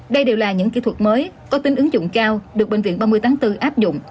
đây đều là những kỹ thuật mới có tính ứng dụng cao được bệnh viện ba mươi tháng bốn áp dụng